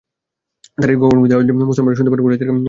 তার এই গগনবিদারী আওয়াজ মুসলমানরাও শুনতে পান কুরাইশদেরও কানে পৌঁছে।